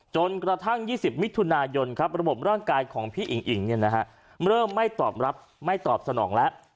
จนกระทั่ง๒๐มิถุนายนระบบร่างกายของพี่อิ๋งอิ่งเริ่มไม่ตอบรับไม่ตอบสนองแล้ว